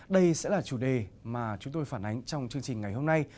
đây sẽ là chủ đề mà chúng tôi phản ánh trong chương trình ngày hôm nay